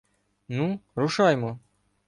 — Ну, рушаймо!